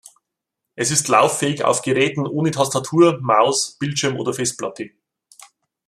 Es ist lauffähig auf Geräten ohne Tastatur, Maus, Bildschirm oder Festplatte.